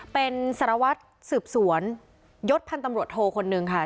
เป็นสารวัตรสืบสวนยศพันธ์ตำรวจโทคนนึงค่ะ